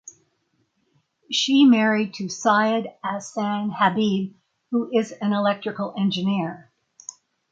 She married to Syed Ahsan Habib who is an electrical engineer.